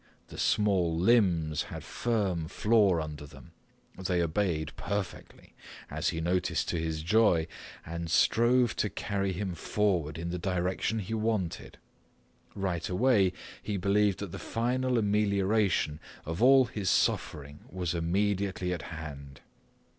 The small limbs had firm floor under them; they obeyed perfectly, as he noticed to his joy, and strove to carry him forward in the direction he wanted. Right away he believed that the final amelioration of all his suffering was immediately at hand.